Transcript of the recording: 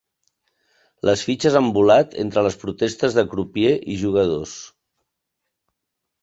Les fitxes han volat entre les protestes de crupier i jugadors.